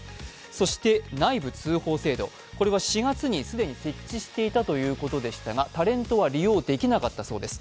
そして内部通報制度は４月に既に設置していたということでしたが、タレントは利用できなかったそうです。